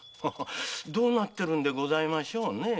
どうなっているんでございましょうねえ？